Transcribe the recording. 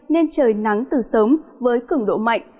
nên trời nắng từ sớm với cứng độ mạnh